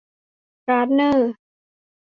การ์ดเนอร์